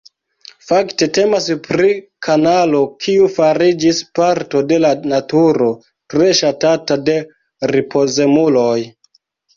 Fakte temas pri kanalo, kiu fariĝis parto de la naturo tre ŝatata de ripozemuloj.